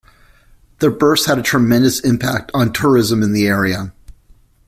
Their births had a tremendous impact on tourism in the area.